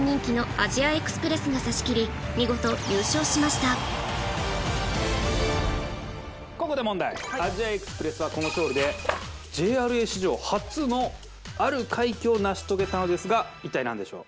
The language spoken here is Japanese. アジアエクスプレスはこの勝利でＪＲＡ史上初のある快挙を成し遂げたのですが一体なんでしょう？